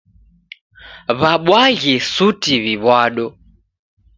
W'abwaghi suti w'iw'ado.